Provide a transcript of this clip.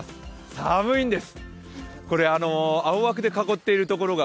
寒いんです。